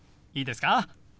いいですか？